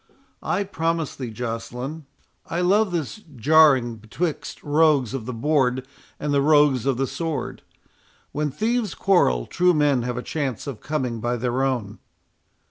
I promise thee, Joceline, I love this jarring betwixt the rogues of the board and the rogues of the sword. When thieves quarrel, true men have a chance of coming by their own."